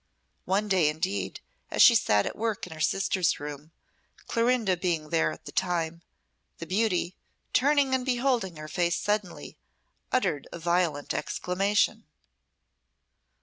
One day, indeed, as she sat at work in her sister's room, Clorinda being there at the time, the beauty, turning and beholding her face suddenly, uttered a violent exclamation.